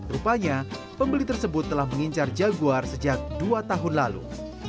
rupanya pembeli tersebut telah mengincar jaguar sejak dua tahun lalu